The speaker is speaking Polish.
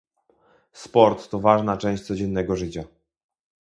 Sport to ważna część codziennego życia